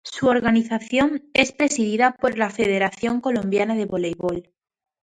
Su organización es presidida por la Federación Colombiana de Voleibol.